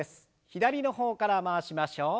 左の方から回しましょう。